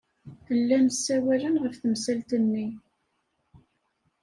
Llan ssawalen ɣef temsalt-nni.